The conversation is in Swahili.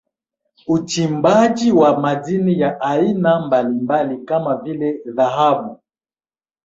Uchimbaji wa madini ya aina mbalimbali kama vile Dhahabu